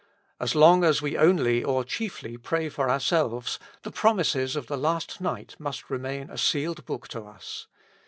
As long as we only or chiefly pray for ourselves, the promises of the last night must remain a sealed book to us.